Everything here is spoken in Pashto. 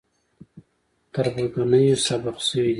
تربګنیو سبب شوي دي.